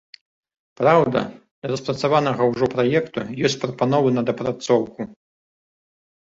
Праўда, да распрацаванага ўжо праекту ёсць прапановы на дапрацоўку.